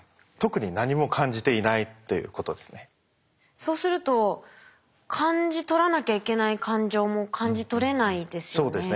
そうすると感じ取らなきゃいけない感情も感じ取れないですよね。